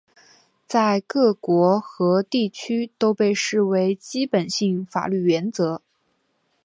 在各国和地区都被视为基本性法律原则。